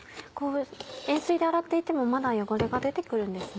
塩水で洗っていてもまだ汚れが出て来るんですね。